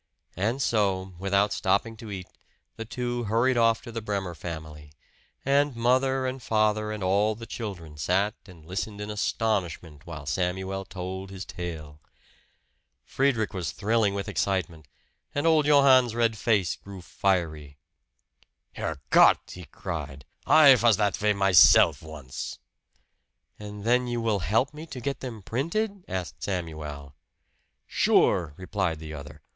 And so, without stopping to eat, the two hurried off to the Bremer family; and mother and father and all the children sat and listened in astonishment while Samuel told his tale. Friedrich was thrilling with excitement; and old Johann's red face grew fiery. "Herr Gott!" he cried. "I vas that vay myself once!" "And then will you help me to get them printed?" asked Samuel. "Sure!" replied the other.